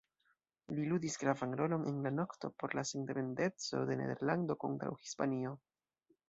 Li ludis gravan rolon en la lukto por la sendependeco de Nederlando kontraŭ Hispanio.